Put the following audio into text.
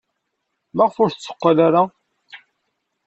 Maɣef ur tetteqqal ara?